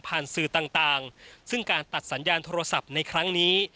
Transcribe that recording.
สื่อต่างซึ่งการตัดสัญญาณโทรศัพท์ในครั้งนี้